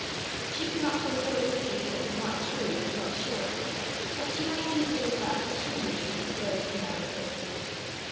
She could not think or receive what was not true, he felt sure, but she might easily enough attribute truth where it did not exist.